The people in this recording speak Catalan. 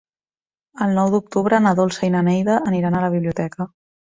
El nou d'octubre na Dolça i na Neida aniran a la biblioteca.